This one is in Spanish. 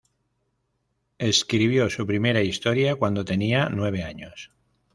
Escribió su primera historia cuando tenía nueve años.